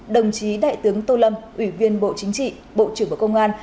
đồng chí đại tướng tô lâm ủy viên bộ chính trị bộ trưởng bộ công an